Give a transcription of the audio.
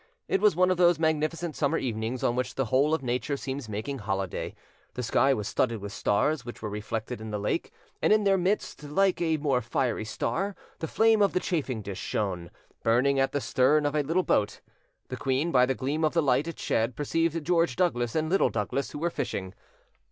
It was one of those magnificent summer evenings on which the whole of nature seems making holiday: the sky was studded with stars, which were reflected in the lake, and in their midst, like a more fiery star, the flame of the chafing dish shone, burning at the stern of a little boat: the queen, by the gleam of the light it shed, perceived George Douglas and Little Douglas, who were fishing.